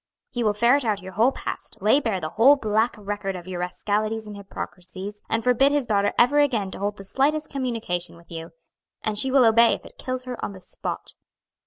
He will ferret out your whole past, lay bare the whole black record of your rascalities and hypocrisies, and forbid his daughter ever again to hold the slightest communication with you. And she will obey if it kills her on the spot."